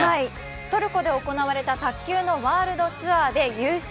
トルコで行われた卓球のワールドツアーで優勝。